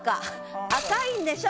「赤いんでしょ？」。